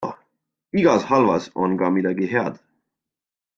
Igas halvas on ka midagi head.